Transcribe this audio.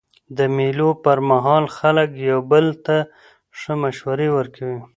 د مېلو پر مهال خلک یو بل ته ښه مشورې ورکوي.